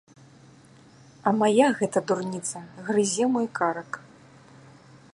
А мая гэта дурніца грызе мой карак.